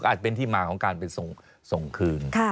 เป็นที่มาของการไปส่งคืน